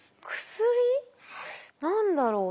薬？何だろう？